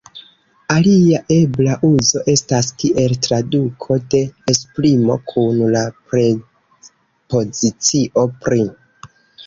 Alia ebla uzo estas kiel traduko de esprimo kun la prepozicio "pri".